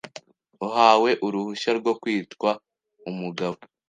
uhawe uruhushya rwo kwitwa umugabo,